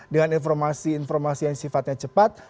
dengan informasi informasi yang sifatnya cepat